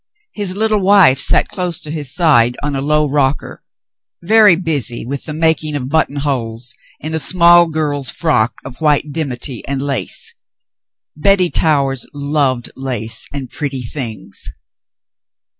His little wife sat close to his side on a low rocker, very busy with the making of buttonholes in a small girl's frock of white dimity and lace. Betty Towers loved lace and pretty things.